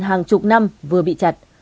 hàng chục năm vừa bị chặt